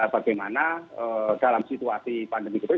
bagaimana dalam situasi pandemi covid